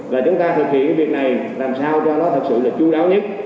và chúng ta thực hiện cái việc này làm sao cho nó thật sự là chú đáo nhất